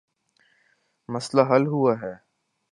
مسئلہ حل ہوا ہے۔